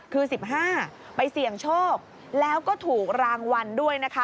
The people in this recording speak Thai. คือ๑๕ไปเสี่ยงโชคแล้วก็ถูกรางวัลด้วยนะคะ